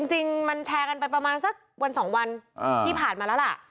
จริงมันแชร์กันไปประมาณสักวันสองวันที่ผ่านมาแล้วล่ะ